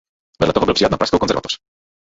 Vedle toho byl přijat na Pražskou konzervatoř.